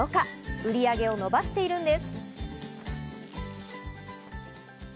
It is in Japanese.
売上を伸ばしているんです。